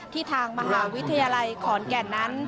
ทางมหาวิทยาลัยขอนแก่นนั้น